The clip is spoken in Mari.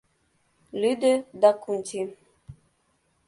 — лӱдӧ Дакунти.